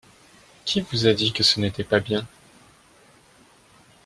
Qui vous a dit que ce n'était pas bien ?